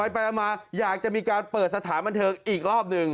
มาอยากจะมีการเปิดสถานบันเทิงอีกรอบหนึ่ง